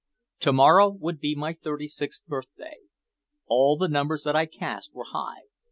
To morrow would be my thirty sixth birthday. All the numbers that I cast were high.